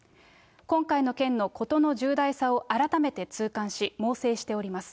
今回の件の事の重大さを改めて痛感し、猛省しております。